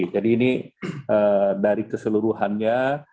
jadi ini dari keseluruhannya